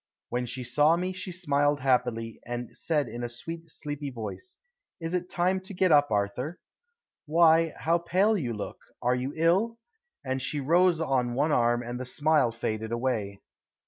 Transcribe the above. When she saw me she smiled happily and said in a sweet, sleepy voice, "Is it time to get up, Arthur? Why, how pale you look. Are you ill?" And she rose on one arm and the smile faded away.